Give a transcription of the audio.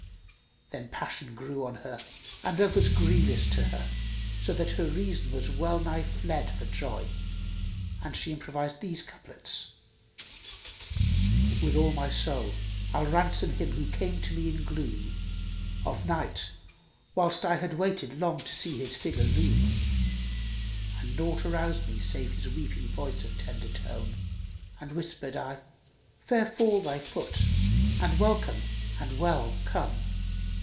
Then passion grew on her and love was grievous to her, so that her reason well nigh fled for joy and she improvised these couplets, "With all my soul I'll ransom him who came to me in gloom * Of night, whilst I had waited long to see his figure loom; And naught aroused me save his weeping voice of tender tone * And whispered I, 'Fair fall thy foot and welcome and well come!